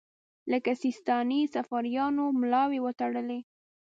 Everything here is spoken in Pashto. لکه سیستاني صفاریانو یې ملاوې وتړلې.